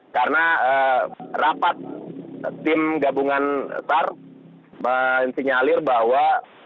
karena rapat tim gabungan sar menyalir bahwa